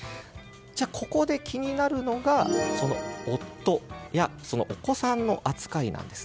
ここで、気になるのが夫やお子さんの扱いなんです。